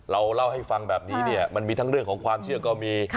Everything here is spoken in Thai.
เราเล่าให้ฟังแบบนี้เนี่ยมันมีทั้งเรื่องของความเชื่อก็มี